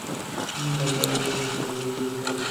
আগামী সপ্তাহের মধ্যে মি লেগেট যুক্তরাষ্ট্রে চলে যাচ্ছেন।